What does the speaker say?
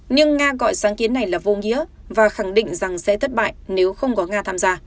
nhưng nga gọi sáng kiến này là vô nghĩa và khẳng định rằng sẽ thất bại nếu không có nga tham gia